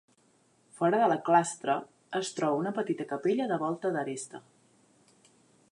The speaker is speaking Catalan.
Fora de la clastra es troba una petita capella de volta d'aresta.